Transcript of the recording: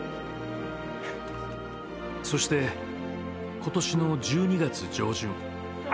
［そしてことしの１２月上旬］